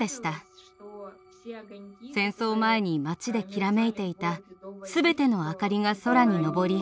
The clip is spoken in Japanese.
戦争前に町できらめいていたすべての明かりが空に昇り